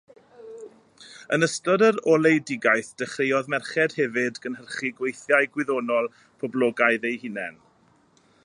Yn ystod yr Oleuedigaeth, dechreuodd merched hefyd gynhyrchu gweithiau gwyddonol poblogaidd eu hunain.